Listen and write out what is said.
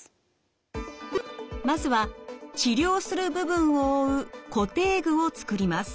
まずは治療する部分を覆う固定具を作ります。